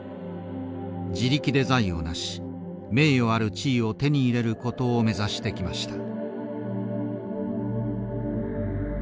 自力で財を成し名誉ある地位を手に入れることを目指してきました。